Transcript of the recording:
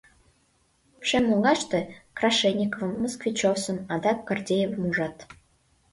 Шем оҥаште Крашениковым, Москвичов С-ым, адак Гордеевым ужат.